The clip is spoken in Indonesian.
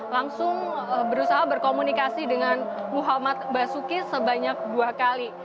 langsung berusaha berkomunikasi dengan muhammad basuki sebanyak dua kali